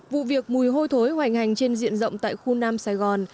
vụ việc mùi hôi thối hoành hành trên diện rộng tại khu nam sài gòn